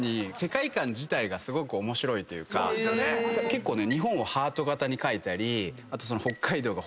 結構ね。